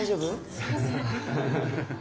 すいません。